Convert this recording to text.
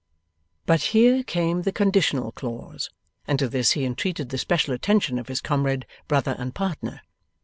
But here came the conditional clause, and to this he entreated the special attention of his comrade, brother, and partner.